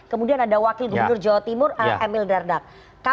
kemudian ada wakil gubernur jawa timur emil dardak